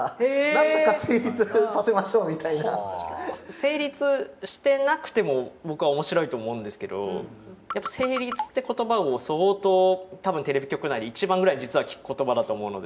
成立してなくても僕は面白いと思うんですけどやっぱ「成立」っていう言葉を相当多分テレビ局内で一番ぐらい実は聞く言葉だと思うので。